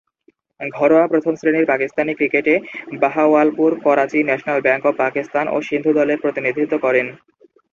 ঘরোয়া প্রথম-শ্রেণীর পাকিস্তানি ক্রিকেটে বাহাওয়ালপুর, করাচি, ন্যাশনাল ব্যাংক অব পাকিস্তান ও সিন্ধু দলের প্রতিনিধিত্ব করেন।